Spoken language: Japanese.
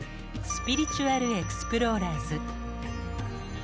「スピリチュアルエクスプローラーズ」。